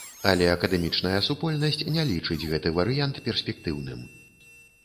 Але акадэмічная супольнасць не лічыць гэты варыянт перспектыўным.